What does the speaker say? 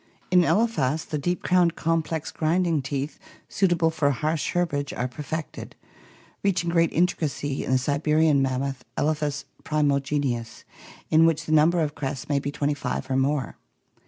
In Elephas the deep crowned complex grinding teeth suitable for harsh herbage are perfected, reaching great intricacy in the Siberian mammoth, Ekphas primi genius, in which the number of crests may be twenty five or more.